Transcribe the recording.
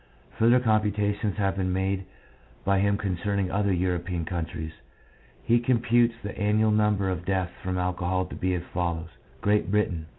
Further com putations have been made by him concerning other European countries. He computes the annual num ber of deaths from alcohol to be as follows: — Great Britain